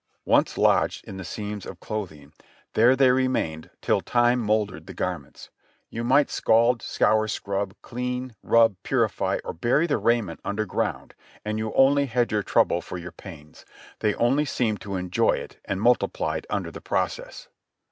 Once lodged in the seams of clothing, there they remained till time mouldered the garments. You might scald, scour, scrub, clean, rub, purify, or bury the raiment i,mder ground, and you only had your trouble for your pains ; they only seemed to enjoy it and multiplied under the process.